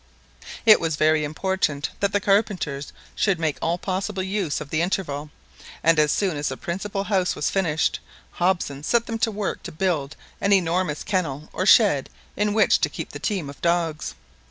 It was very important that the carpenters should make all possible use of the interval; and as soon as the principal house was finished, Hobson set them to work to build an enormous kennel or shed in which to keep the teams of dogs.